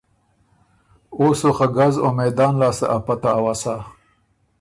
او سو خه ګز او مېندان لاسته ا پته اؤسا۔